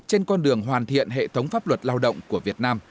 trên con đường hoàn thiện hệ thống pháp luật lao động của việt nam